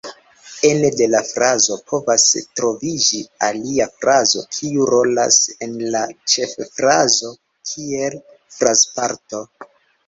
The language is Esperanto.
Ene de frazo povas troviĝi alia frazo, kiu rolas en la ĉeffrazo kiel frazparto.